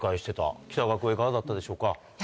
北川君いかがだったでしょうか？